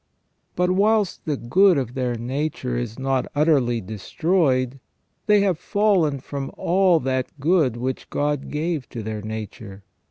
But whilst the good of their nature is not utterly destroyed, they have fallen from all that good which God gave to their nature.